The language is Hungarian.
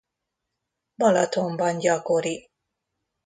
Balatonban gyakori.